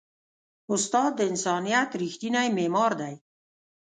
استاد د انسانیت ریښتینی معمار دی.